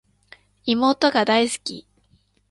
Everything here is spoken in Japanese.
妹が大好き